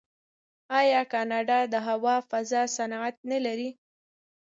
آیا کاناډا د هوا فضا صنعت نلري؟